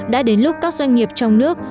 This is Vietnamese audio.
đã đến lúc các doanh nghiệp trong nước